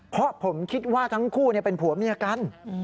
เพราะผมคิดว่าทั้งคู่เป็นผัวเมียกัน